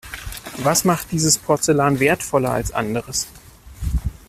Was macht dieses Porzellan wertvoller als anderes?